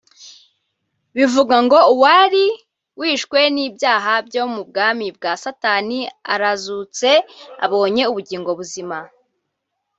Bivuga ngo uwari wishwe n’ibyaha byo mu bwami bwa Satani arazutse abonye ubugingo buzima